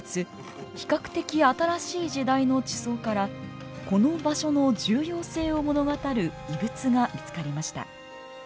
比較的新しい時代の地層からこの場所の重要性を物語る遺物が見つかりました。